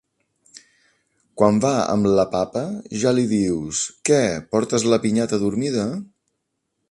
Quan va amb la papa, ja li dius: "què, portes la pinyata dormida?"